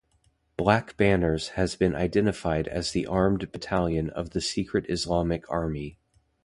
Black Banners has been identified as the armed battalion of the Secret Islamic Army.